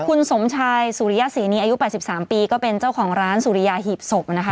คุณสมชายสุริยศรีนีอายุ๘๓ปีก็เป็นเจ้าของร้านสุริยาหีบศพนะคะ